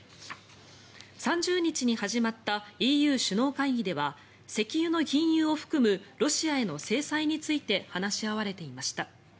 ３０日に始まったＥＵ首脳会議では石油の禁輸を含むロシアへの制裁について話し合われていました。